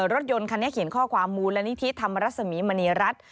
รถยนต์คันนี้เขียนข้อความมูลนิธิธรรมรสมีมณีรัฐ